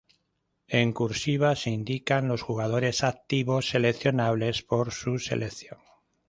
En "cursiva" se indican los jugadores activos seleccionables por su selección.